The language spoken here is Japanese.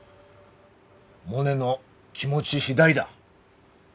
モネの気持ち次第だ。